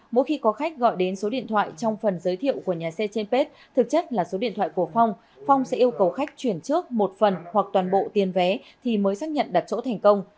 mỗi khi có khách gọi đến số điện thoại trong phần giới thiệu của nhà xe trên page thực chất là số điện thoại của phong phong sẽ yêu cầu khách chuyển trước một phần hoặc toàn bộ tiền vé thì mới xác nhận đặt chỗ thành công